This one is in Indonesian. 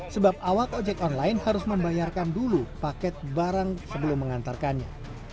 sebab awak ojek online harus membayarkan dulu paket barang sebelum mengantarkannya